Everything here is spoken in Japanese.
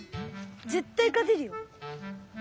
ぜったいかてるよ！